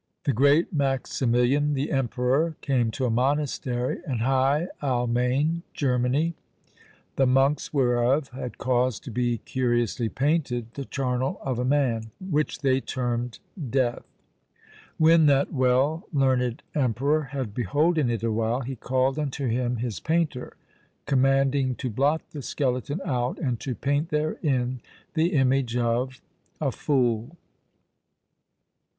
"The great Maximilian the emperor came to a monastery in High Almaine (Germany), the monks whereof had caused to be curiously painted the charnel of a man, which they termed Death! When that well learned emperor had beholden it awhile, he called unto him his painter, commanding to blot the skeleton out, and to paint therein the image of a fool.